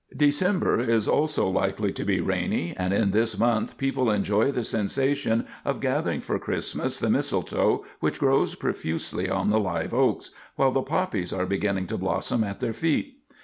December is also likely to be rainy; and in this month people enjoy the sensation of gathering for Christmas the mistletoe which grows profusely on the live oaks, while the poppies are beginning to blossom at their feet.